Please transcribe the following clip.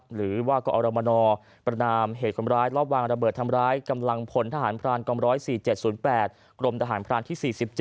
หรือว่ากอรมนประนามเหตุคนร้ายรอบวางระเบิดทำร้ายกำลังพลทหารพรานกอง๑๐๔๗๐๘กรมทหารพรานที่๔๗